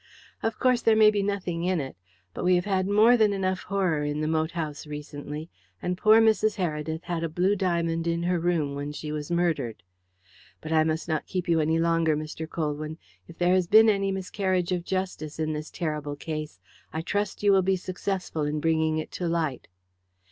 Of course, there may be nothing in it, but we have had more than enough horror in the moat house recently, and poor Mrs. Heredith had a blue diamond in her room when she was murdered. But I must not keep you any longer, Mr. Colwyn. If there has been any miscarriage of justice in this terrible case I trust that you will be successful in bringing it to light."